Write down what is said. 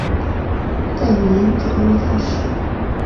在女婴几个月大时